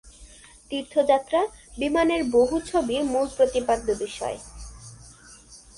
তীর্থযাত্রা, বিমানের বহু ছবির মূল প্রতিপাদ্য বিষয়।